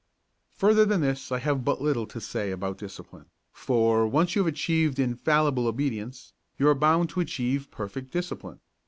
Further than this I have but little to say about discipline, for, once you have achieved infallible obedience, you are bound to achieve perfect discipline.